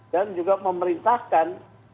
dan juga memerintahkan